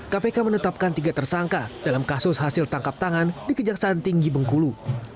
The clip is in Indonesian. kpk menetapkan tiga tersangka dalam kasus hasil tangkap tangan di kejaksaan tinggi bengkulu